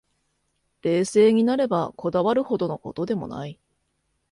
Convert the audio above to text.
冷静になれば、こだわるほどの事でもない